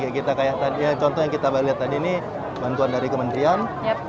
bukan kayak kita ya contoh yang kita lihat tadi ini bantuan dari kementerian